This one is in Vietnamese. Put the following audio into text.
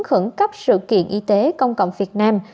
khẩn cấp sự kiện y tế công cộng việt nam